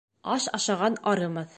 Аш ашаған арымаҫ